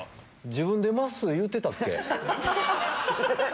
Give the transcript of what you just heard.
自分で「まっすー」言うてたっけ？